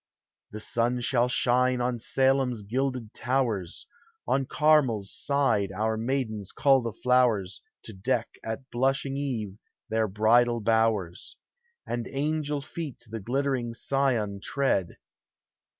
The sun shall shine on Salem's gilded towers, On CarmeFs side our maidens cull the flowers To deck at blushing eve their bridal bowers, And angel feet the glittering Sion tread.